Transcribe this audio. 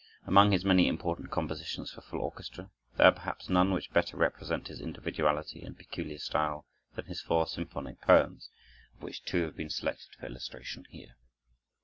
Among his many important compositions for full orchestra, there are perhaps none which better represent his individuality and peculiar style than his four "Symphonic Poems," of which two have been selected for illustration here.